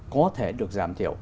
có thể được giảm thiểu